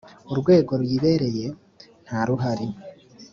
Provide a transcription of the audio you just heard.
urwego ruyirebere ntaruhari.